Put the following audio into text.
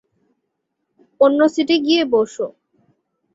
অন্য সিটে গিয়ে বসো।